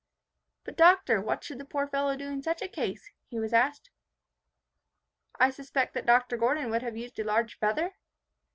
"But, Doctor, what should the poor fellow do in such a case?" he was asked. "I suspect Dr. Gordon would have used a large feather?"